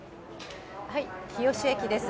日吉駅です。